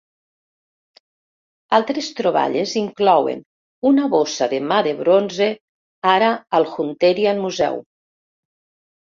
Altres troballes inclouen una bossa de mà de bronze, ara al Hunterian Museum.